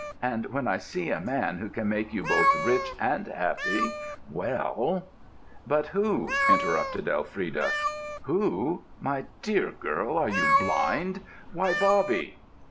And when I see a man who can make you both rich and happy, well——" "But who?" interrupted Elfrida. "Who? My dear girl, are you blind! Why, Bobby!"